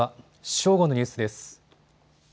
正午のニュースです。